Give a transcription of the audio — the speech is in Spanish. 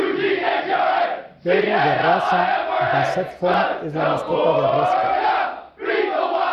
Perro de raza Basset Hound, es la mascota de Rosco.